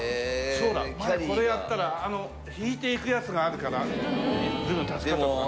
そうだ前これやったら引いていくやつがあるから随分助かったとか。